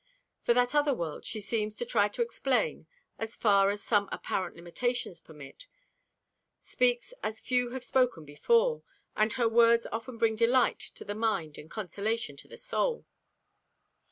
For that other world she seems to try to explain as far as some apparent limitations permit, speaks as few have spoken before, and her words often bring delight to the mind and consolation to the soul.